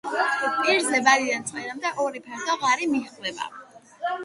პირზე ვადიდან წვერამდე ორი ფართო ღარი მიჰყვება.